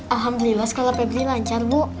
alhamdulillah sekolah pebri lancar bu